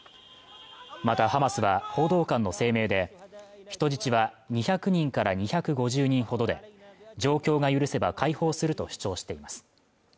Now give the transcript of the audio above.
またハマスは報道官の声明で人質は２００人から２５０人ほどで状況が許せば解放すると主張しています